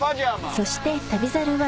そして『旅猿』は